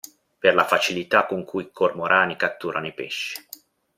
Per la facilità con cui i cormorani catturano i pesci.